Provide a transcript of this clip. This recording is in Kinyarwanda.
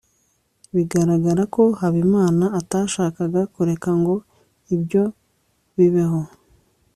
biragaragara ko habimana atashakaga kureka ngo ibyo bibeho